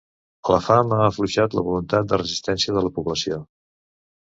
La fam ha afluixat la voluntat de resistència de la població.